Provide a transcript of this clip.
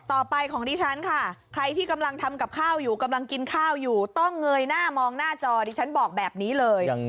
ต่อไปของดิฉันค่ะใครที่กำลังทำกับข้าวอยู่กำลังกินข้าวอยู่ต้องเงยหน้ามองหน้าจอดิฉันบอกแบบนี้เลย